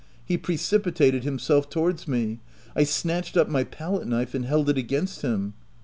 He precipitated himself towards me. I snatched up my palette knife and held it against him.